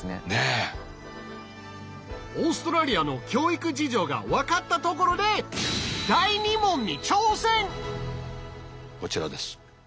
オーストラリアの教育事情が分かったところでこちらです。